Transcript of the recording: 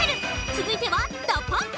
つづいてはＤＡＰＵＭＰ！